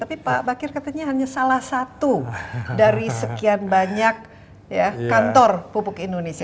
tapi pak bakir katanya hanya salah satu dari sekian banyak kantor pupuk indonesia